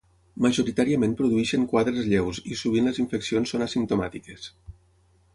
Majoritàriament produeixen quadres lleus i sovint les infeccions són asimptomàtiques.